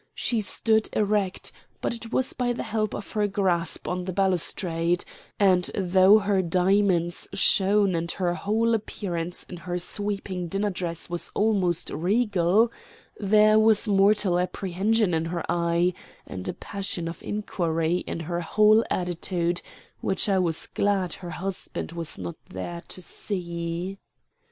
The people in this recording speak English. She stood erect, but it was by the help of her grasp on the balustrade; and though her diamonds shone and her whole appearance in her sweeping dinner dress was almost regal, there was mortal apprehension in her eye and a passion of inquiry in her whole attitude which I was glad her husband was not there to see.